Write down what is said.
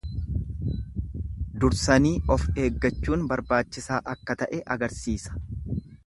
Dursanii of eeggachuun barbaachisaa akka ta'e agarsiisa.